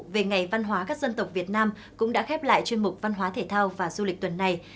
về ngày văn hóa các dân tộc việt nam cũng đã khép lại chuyên mục văn hóa thể thao và du lịch tuần này